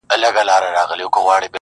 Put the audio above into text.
امتحان لره راغلی کوه کن د زمانې یم,